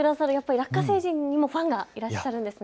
ラッカ星人にもファンがいらっしゃるんですね。